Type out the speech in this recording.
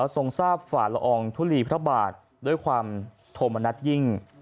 ทรงทราบฝ่าลองถุลีพระบาทโดยความถมมนัดยิ่ง